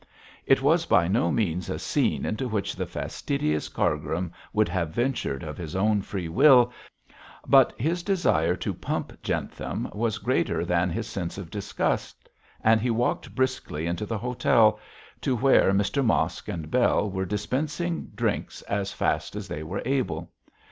It was by no means a scene into which the fastidious Cargrim would have ventured of his own free will, but his desire to pump Jentham was greater than his sense of disgust, and he walked briskly into the hotel, to where Mr Mosk and Bell were dispensing drinks as fast as they were able.